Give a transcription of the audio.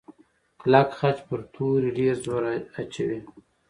کلک خج پر توري ډېر زور اچوي.